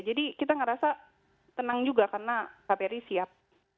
jadi kita nggak rasa tenang juga karena kbri siap